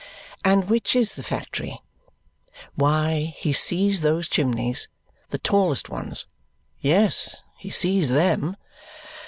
And which is the factory? Why, he sees those chimneys the tallest ones! Yes, he sees THEM.